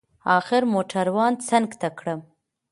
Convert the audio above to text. اخر موټروان څنگ ته کړم.